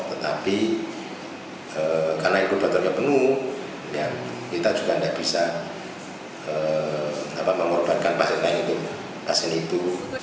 tetapi karena inkubatornya penuh kita juga tidak bisa mengorbankan pasien itu